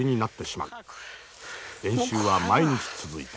練習は毎日続いた。